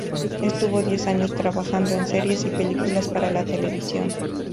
Estuvo diez años trabajando en series y películas para la televisión.